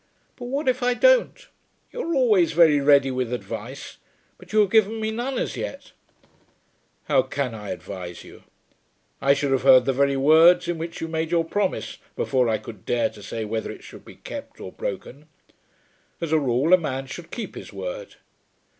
"But what if I don't. You are always very ready with advice, but you have given me none as yet." "How can I advise you? I should have heard the very words in which you made your promise before I could dare to say whether it should be kept or broken. As a rule a man should keep his word."